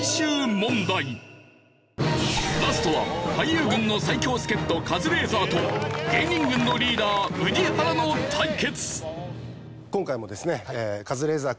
ラストは俳優軍の最強助っ人カズレーザーと芸人軍のリーダー宇治原の対決。